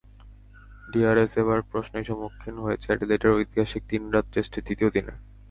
DRS এবার প্রশ্নের সম্মুখীন হয়েছে অ্যাডিলেডের ঐতিহাসিক দিনরাতের টেস্টের দ্বিতীয় দিনে।